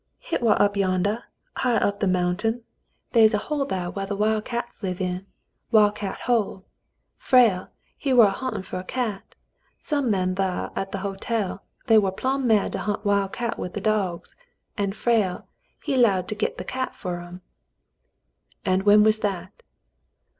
"Hit war up yandah, highah up th' mountain. They is The Mountain People 19 * a hole thar what wiF cats live in, Wil' Cat Hole. Frale, he war a hunt'n' fer a cat. Some men thar at th' hotel, they war plumb mad to hunt a wil' cat with th' dogs, an' Frale, he 'lowed to git th' cat fer 'em." "And when was that